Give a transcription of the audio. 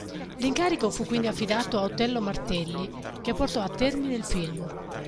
L'incarico fu quindi affidato a Otello Martelli, che portò a termine il film.